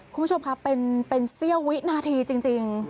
คุณผู้ชมครับเป็นเสี้ยววินาทีจริง